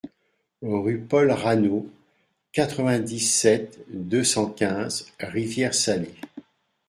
Rue Paul Rano, quatre-vingt-dix-sept, deux cent quinze Rivière-Salée